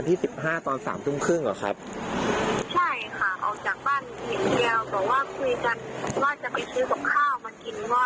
แล้วไม่มีใครติดต่อ